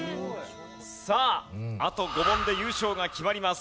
さああと５問で優勝が決まります。